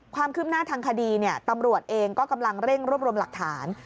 ความคืบหน้าทางคดีตำรวจเองก็กำลังเร่งรวบรวมหลักฐาน